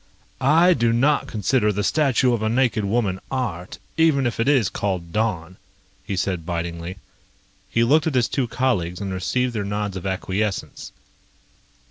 "I do not consider the statue of a naked woman art, even if it is called 'Dawn,'" he said bitingly. He looked at his two colleagues and received their nods of acquiescence.